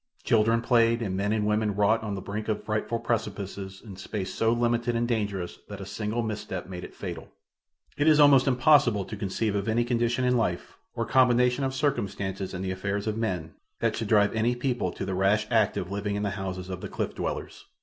Children played and men and women wrought on the brink of frightful precipices in a space so limited and dangerous that a single misstep made it fatal. It is almost impossible to conceive of any condition in life, or combination of circumstances in the affairs of men, that should drive any people to the rash act of living in the houses of the cliff dwellers.